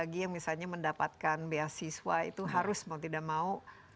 bagi yang misalnya mendapatkan beasiswa itu harus mau tidak mau